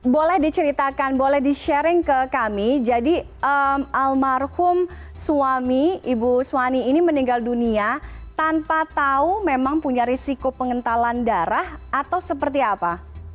boleh diceritakan boleh di sharing ke kami jadi almarhum suami ibu suwani ini meninggal dunia tanpa tahu memang punya risiko pengentalan darah atau seperti apa